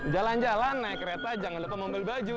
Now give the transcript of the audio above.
jalan jalan naik kereta jangan lupa membeli baju